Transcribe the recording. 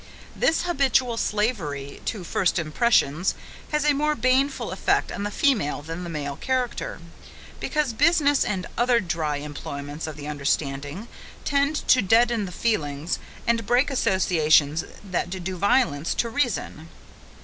This habitual slavery, to first impressions, has a more baneful effect on the female than the male character, because business and other dry employments of the understanding, tend to deaden the feelings and break associations that do violence to reason.